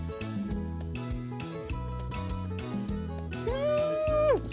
うん！